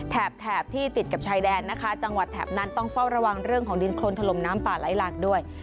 แถบที่ติดกับชายแดนนะคะจังหวัดแถบนั้นต้องเฝ้าระวังเรื่องของดินโครนถล่มน้ำป่าไหลหลากด้วย